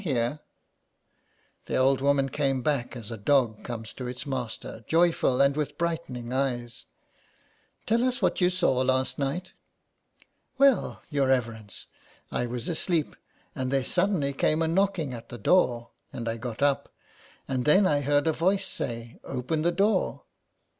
114 SOME PARISHIONERS. The old woman came back as a dog comes to its master, joyful, and with brightening eyes. " Tell us what you saw last night." "Well, your reverence, I was asleep, and there suddenly came a knocking at the door, and I got up, and then I heard a voice say, 'open the door.